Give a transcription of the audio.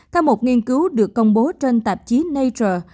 theo một nghiên cứu được công bố trên tạp chí nature